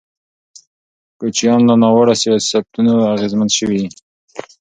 کوچیان له ناوړه سیاستونو اغېزمن شوي دي.